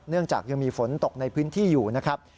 จากยังมีฝนตกในพื้นที่อยู่นะครับ